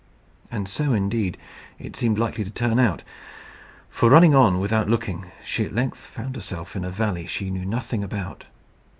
And, indeed, so it seemed likely to turn out; for, running on without looking, she at length found herself in a valley she knew nothing about.